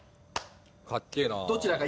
かっけぇな。